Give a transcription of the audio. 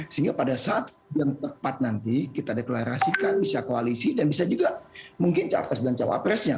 sehingga pada saat yang tepat nanti kita deklarasikan bisa koalisi dan bisa juga mungkin capres dan cawapresnya